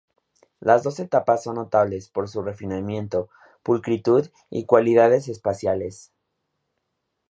Las dos etapas son notables por su refinamiento, pulcritud y cualidades espaciales.